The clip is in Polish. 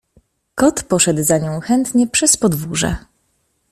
Kot poszedł za nią chętnie przez podwórze.